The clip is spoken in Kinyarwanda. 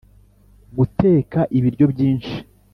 guteka ibiryo byinshi